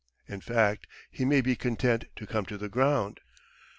In fact, he may be content to come to the ground.